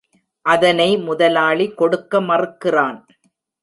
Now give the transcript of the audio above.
அதனை முதலாளி கொடுக்க மறுக்கிறான்.